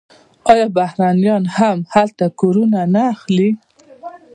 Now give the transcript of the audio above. آیا بهرنیان هم هلته کورونه نه اخلي؟